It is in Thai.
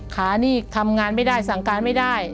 ขานี่ทำงานไม่ได้สั่งการไม่ได้